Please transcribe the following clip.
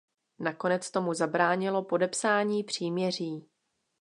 Nakonec tomu zabránilo podepsání příměří.